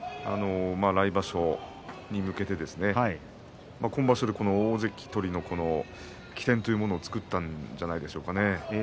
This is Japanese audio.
来場所に向けて今場所、大関取りの起点を作ったんじゃないでしょうかね。